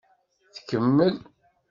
Tkemmel.